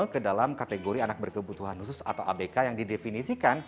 ke dalam kategori anak berkebutuhan khusus atau abk yang didefinisikan